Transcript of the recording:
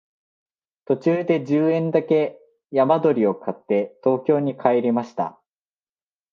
途中で十円だけ山鳥を買って東京に帰りました